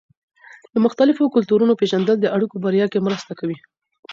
د مختلفو کلتورونو پېژندل د اړيکو په بریا کې مرسته کوي.